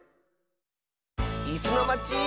「いすのまち」。